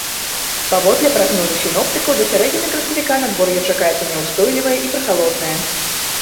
Паводле прагнозу сіноптыкаў, да сярэдзіны красавіка надвор'е чакаецца няўстойлівае і прахалоднае.